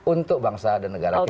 untuk bangsa dan negara kita